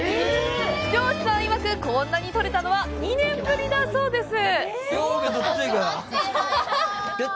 漁師さんいわく、こんなに取れたのは２年ぶりだそうです。